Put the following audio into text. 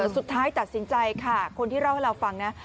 สุดท้ายตัดสินใจค่ะคนที่เล่าให้เราฟังนะ